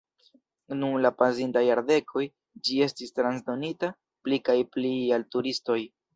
Dum la pasintaj jardekoj ĝi estis transdonita pli kaj pli al turistoj.